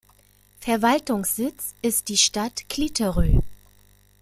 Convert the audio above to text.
Verwaltungssitz ist die Stadt Clitheroe.